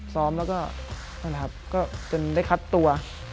ซ้อมแล้วก็มีคัชตัว